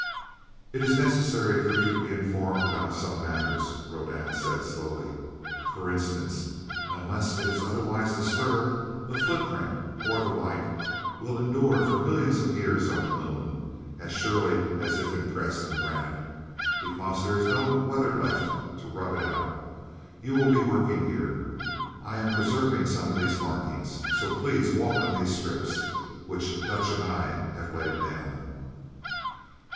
"It is necessary for you to be informed about some matters," Rodan said slowly. "For instance, unless it is otherwise disturbed, a footprint, or the like, will endure for millions of years on the Moon as surely as if impressed in granite because there is no weather left to rub it out. You will be working here. I am preserving some of these markings. So please walk on these strips, which Dutch and I have laid down."